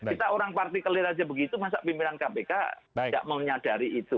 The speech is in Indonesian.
kita orang partikelir aja begitu masa pimpinan kpk tidak menyadari itu